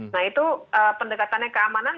nah itu pendekatannya keamanan